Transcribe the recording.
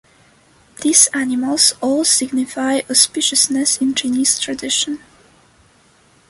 These animals all signify auspiciousness in Chinese tradition.